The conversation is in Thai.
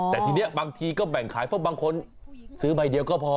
แต่ทีนี้บางทีก็แบ่งขายเพราะบางคนซื้อใบเดียวก็พอ